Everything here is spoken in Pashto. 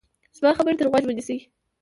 زما خبرې ته غوږ ونیسئ.